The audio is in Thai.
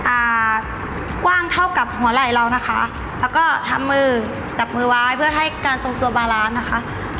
อ่ากว้างเท่ากับหัวไหล่เรานะคะแล้วก็ทำมือจับมือไว้เพื่อให้การทรงตัวบารานนะคะ